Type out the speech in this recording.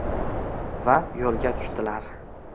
va yo'lga tushdilar.